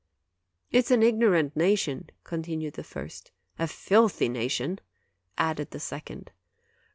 " 'It's an ignorant nation/ continued the first. " 'A filthy nation/ added the second.